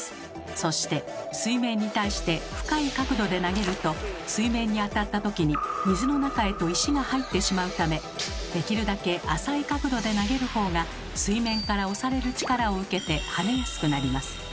そして水面に対して深い角度で投げると水面に当たった時に水の中へと石が入ってしまうためできるだけ浅い角度で投げる方が水面から押される力を受けて跳ねやすくなります。